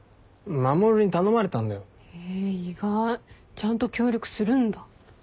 ちゃんと協力するんだ。